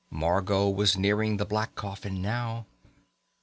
Margot was nearing the black coffin now.